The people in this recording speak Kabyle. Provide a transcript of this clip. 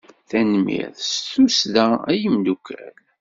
Tanemmirt s tussda a imeddukal!